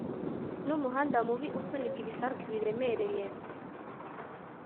Numuhanda mubi usunika ibisasu biremereye